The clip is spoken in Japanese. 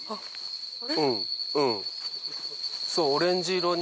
そうオレンジ色に。